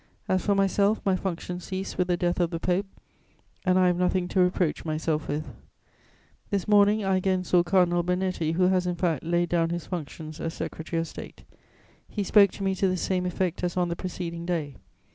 As for myself, my functions cease with the death of the Pope and I have nothing to reproach myself with.' "This morning I again saw Cardinal Bernetti, who has, in fact, laid down his functions as Secretary of State: he spoke to me to the same effect as on the preceding day.